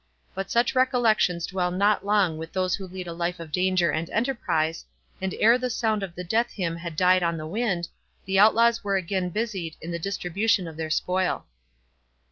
But such recollections dwell not long with those who lead a life of danger and enterprise, and ere the sound of the death hymn had died on the wind, the outlaws were again busied in the distribution of their spoil.